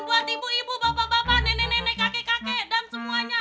buat ibu ibu bapak bapak nenek nenek kakek kakek dan semuanya